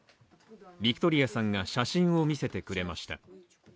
ビクトリアさんが写真を見せてくれました。